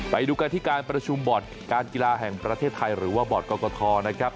ไปดูกันที่การประชุมบอร์ดการกีฬาแห่งประเทศไทยหรือว่าบอร์ดกรกฐนะครับ